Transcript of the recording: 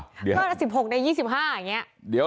หรือว่า๑๖ให้๒๕ไง